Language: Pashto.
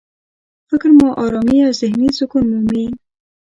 فکر مو ارامي او ذهني سکون مومي.